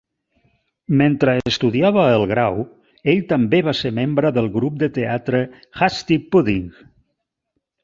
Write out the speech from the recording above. Mentre estudiava el grau, ell també va ser membre del grup de teatre Hasty Pudding.